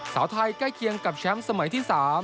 ใกล้เคียงกับแชมป์สมัยที่๓